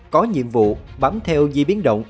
có nhiệm vụ bám theo dì biến động